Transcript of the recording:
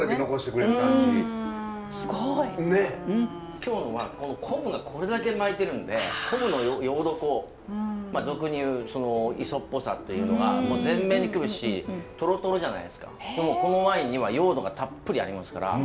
今日のは昆布がこれだけ巻いてるんで昆布のヨード香俗に言う磯っぽさっていうのが全面に来るしトロトロじゃないですかでもこのワインにはヨードがたっぷりありますから。